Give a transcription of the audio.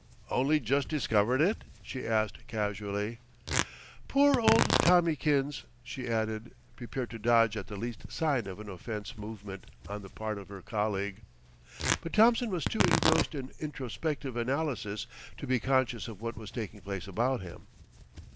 "Only just discovered it?" she asked casually. "Poor old Tommikins," she added, prepared to dodge at the least sign of an offensive movement on the part of her colleague; but Thompson was too engrossed in introspective analysis to be conscious of what was taking place about him.